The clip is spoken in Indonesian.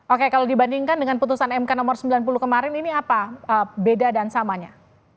oke kalau dibandingkan dengan putusan mk nomor sembilan puluh kemarin ini apa beda dan samanya